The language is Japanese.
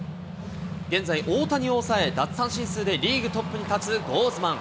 現在、大谷を抑え、奪三振数でリーグトップに立つゴーズマン。